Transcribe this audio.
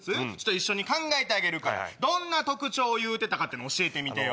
一緒に考えてあげるからどんな特徴を言うてたか教えてみてよ。